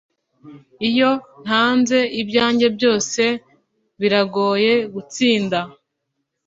iyo ntanze ibyanjye byose, biragoye gutsinda